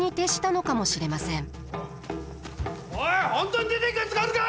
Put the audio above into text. おい本当に出ていくやつがあるか！